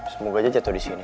semoga aja jatuh di sini